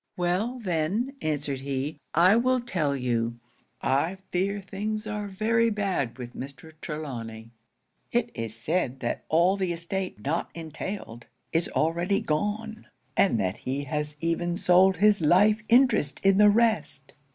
'"Well then," answered he, "I will tell you. I fear things are very bad with Mr. Trelawny. It is said that all the estate not entailed, is already gone; and that he has even sold his life interest in the rest.